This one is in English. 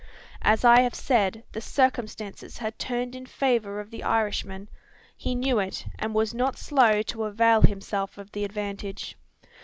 As I have said, the circumstances had turned in favour of the Irishman. He knew it; and was not slow to avail himself of the advantage.